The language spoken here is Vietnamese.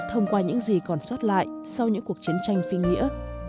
thông qua những gì còn sót lại sau những cuộc chiến tranh phi nghĩa